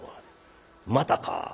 「またか」。